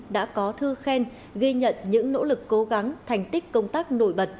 đã có thư khen ghi nhận những nỗ lực cố gắng thành tích công tác nổi bật